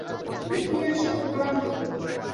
তিনি ফিরে আসেন ধরাধামে।